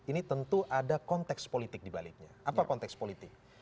ini tentu ada konteks politik dibaliknya apa konteks politik